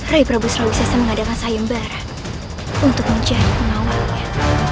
rai prabu surawisesa mengadakan sayembar untuk mencari pengawalnya